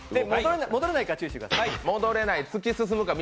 戻れないから注意してください。